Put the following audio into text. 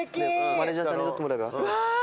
マネジャーさんに撮ってもらえば？